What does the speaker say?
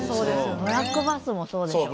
ブラックバスもそうでしょ？